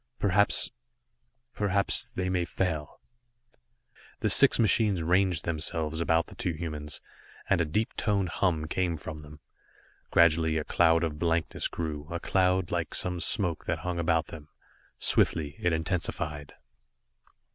Perhaps perhaps they may fail." The six machines ranged themselves about the two humans, and a deep toned hum came from them. Gradually a cloud of blankness grew a cloud, like some smoke that hung about them. Swiftly it intensified.